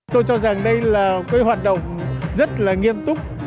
tôi cho rằng đây là cái hoạt động rất là nghiêm túc